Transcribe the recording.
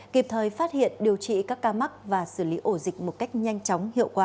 kịp thời phát hiện điều trị các ca mắc và xử lý ổ dịch một cách nhanh chóng hiệu quả